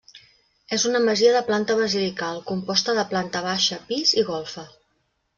És una masia de planta basilical, composta de planta baixa, pis i golfa.